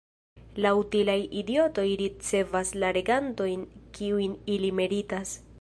La utilaj idiotoj ricevas la regantojn kiujn ili meritas.